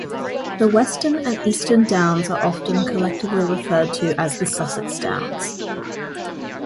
The Western and Eastern Downs are often collectively referred to as the "Sussex Downs".